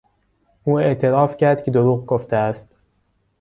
او اعتراف کرد که دروغ گفته است.